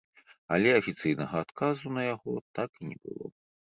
Але, афіцыйнага адказу на яго так і не было.